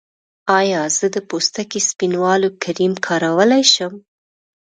ایا زه د پوستکي سپینولو کریم کارولی شم؟